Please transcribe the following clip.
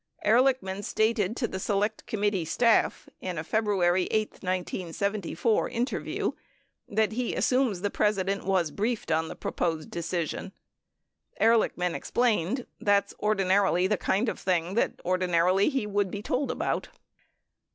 Ehrlichman stated to the Select Committee staff in a February 8, 1974, interview that he assumes the President was briefed on the proposed decision. Ehrlichman explained : "That's ordinarily the kind of thing that ordi narily he would be told about."